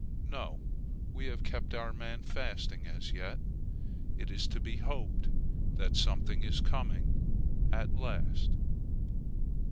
No; we have kept our man fasting as yet. It is to be hoped that something is coming at last.